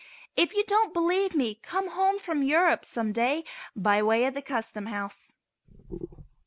If you don't believe me come home from Europe some day by way of the Custom House.